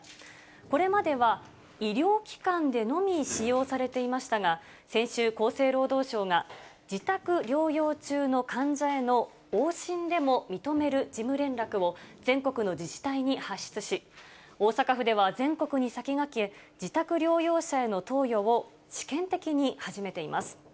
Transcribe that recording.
これまでは医療機関でのみ使用されていましたが、先週、厚生労働省が自宅療養中の患者への往診でも認める事務連絡を全国の自治体に発出し、大阪府では全国に先駆け、自宅療養者への投与を試験的に始めています。